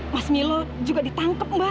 mas milo juga ditangkap mbak